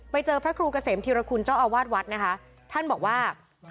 ไปเจอพระครูเกษมธิรคุณเจ้าอาวาสวัดนะคะท่านบอกว่า